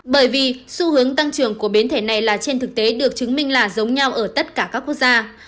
bởi vì xu hướng tăng trưởng của biến thể này là trên thực tế được chứng minh là giống nhau ở tất cả các quốc gia